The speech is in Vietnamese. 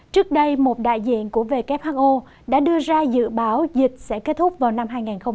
trước đây một đại diện của who đã đưa ra dự báo dịch sẽ kết thúc vào năm hai nghìn hai mươi